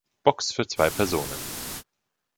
Box für zwei Personen.